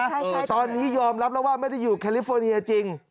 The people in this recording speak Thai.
ใช่ตอนนี้ยอมรับแล้วว่าไม่ได้อยู่แคลิฟอร์เนียจริง